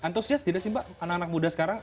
antusias tidak sih mbak anak anak muda sekarang